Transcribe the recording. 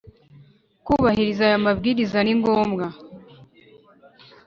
kubahiriza aya mabwiriza ni ngombwa